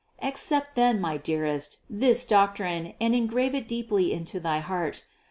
740. Accept then, my dearest, this doctrine and en grave it deeply into thy heart.